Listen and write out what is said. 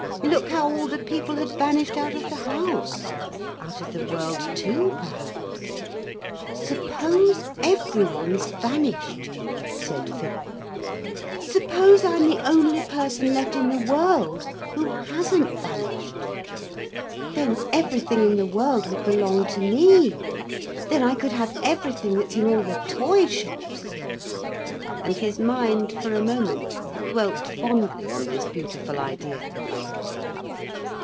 Look how all the people had vanished out of the house out of the world too, perhaps. 'Suppose every one's vanished,' said Philip. 'Suppose I'm the only person left in the world who hasn't vanished. Then everything in the world would belong to me. Then I could have everything that's in all the toy shops.' And his mind for a moment dwelt fondly on this beautiful idea.